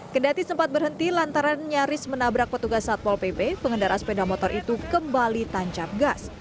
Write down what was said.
kendati sempat berhenti lantaran nyaris menabrak petugas satpol pp pengendara sepeda motor itu kembali tancap gas